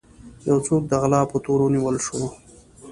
يو څوک د غلا په تور ونيول شو.